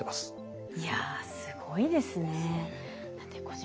いやすごいですね。ですね。